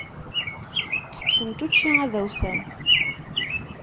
Ttettent učči adawsan.